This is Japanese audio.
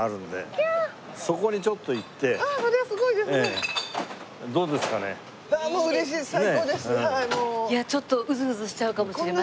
いやちょっとウズウズしちゃうかもしれませんね。